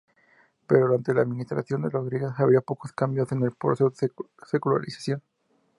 Pero durante la administración de Rodríguez habría pocos cambios en el proceso de secularización.